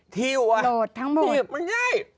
ที่รวมชิ้นห้อแบบนี้